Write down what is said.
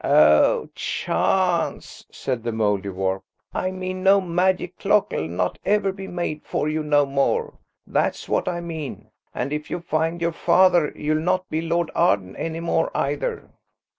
"Oh, chance!" said the Mouldiwarp. "I mean no magic clock'll not never be made for you no more, that's what I mean. And if you find your father you'll not be Lord Arden any more, either!"